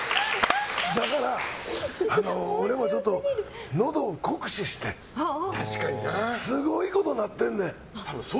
だから、俺もちょっとのどを酷使してすごいことなってんねん。